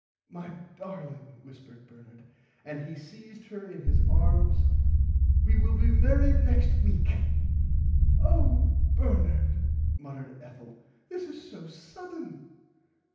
My Darling whispered Bernard and he seiezed her in his arms we will be marrid next week. Oh Bernard muttered Ethel this is so sudden.